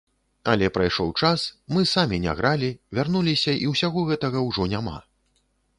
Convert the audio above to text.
Але прайшоў час, мы самі не гралі, вярнуліся і ўсяго гэтага ўжо няма.